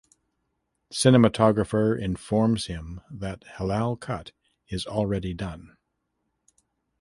Cinematographer informs him that halal cut is already done.